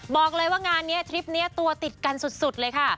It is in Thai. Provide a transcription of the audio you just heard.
บอกเลยว่างานนี้ทริปนี้ตัวติดกันสุดเลยค่ะ